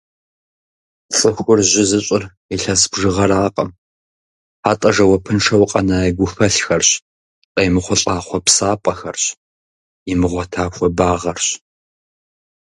Цӏыхур жьы зыщӏыр илъэс бжыгъэракъым, атӏэ жэуапыншэу къэна и гухэлъхэрщ, къеймыхъулӏа хъуэпсапӏэхэрщ, имыгъуэта хуэбагъэрщ.